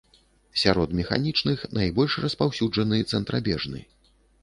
Сярод механічных найбольш распаўсюджаны цэнтрабежны.